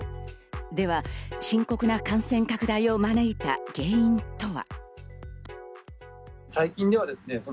では深刻な感染拡大を招いた原因とは？